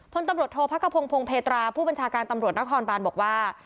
พลตำรวจโทษพระกระพงพงเพตราผู้บัญชาการตำรวจนครบานบอกว่า